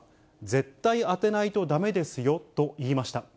絶対当てないとだめですよと言いました。